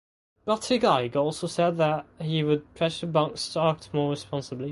Buttigieg also said that he would pressure banks to act more responsibly.